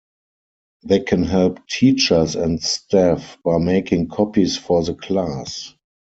They can help teachers and staff by making copies for the class.